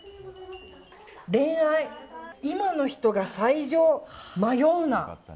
恋愛、今の人が最上迷うな。